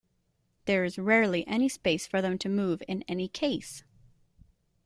There is rarely any space for them to move in any case.